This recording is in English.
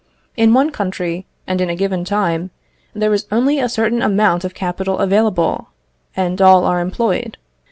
In one country, and in a given time, there is only a certain amount of capital available, and all are employed.